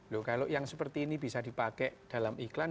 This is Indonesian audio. loh kalau yang seperti ini bisa dipakai dalam iklan